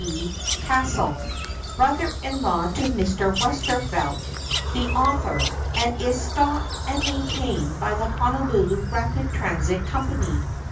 B. Castle, brother in law to Mr. Westervelt, the author, and is stocked and maintained by the Honolulu Rapid Transit Company.